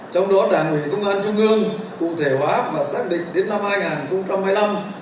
trong đó đảng ủy công an trung ương cụ thể hóa và xác định đến năm hai nghìn hai mươi năm